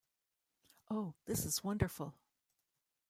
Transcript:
Oh, this is wonderful!